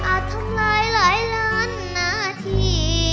ทำลายหลายล้านนาที